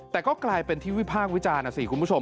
แต่ก็กลายเป็นที่วิพากษ์วิจารณ์